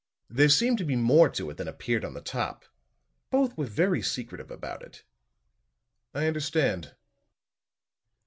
There seemed to be more to it than appeared on the top. Both were very secretive about it." "I understand."